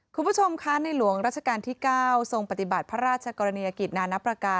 คุณผู้ชมคะในหลวงราชการที่๙ทรงปฏิบัติพระราชกรณียกิจนานประการ